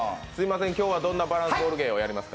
今日はどんなバランスボール芸をやりますか？